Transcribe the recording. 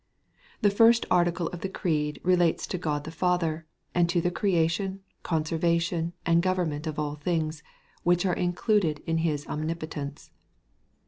The first article of the Creed relates to God the Father, and to the creation, conservation, and government of all things, which are included in his omnipotence.